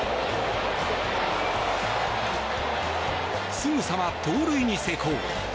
すぐさま盗塁に成功。